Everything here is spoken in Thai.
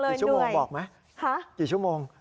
กี่ชั่วโมงบอกไหมกี่ชั่วโมง